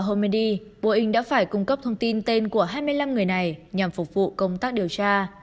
homedi boeing đã phải cung cấp thông tin tên của hai mươi năm người này nhằm phục vụ công tác điều tra